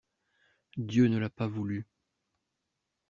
Dieu ne l'a pas voulu.